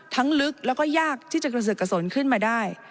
ทั้งลึกแล้วก็ยากที่จะกระสุนขึ้นมาได้